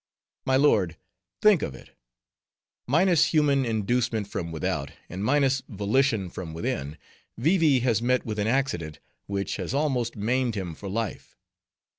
"My lord, think of it. Minus human inducement from without, and minus volition from within, Vee Vee has met with an accident, which has almost maimed him for life.